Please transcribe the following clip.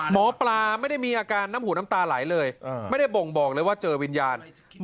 หมอปลาไม่ได้มีอาการน้ำหูน้ำตาไหลเลยไม่ได้บ่งบอกเลยว่าเจอวิญญาณ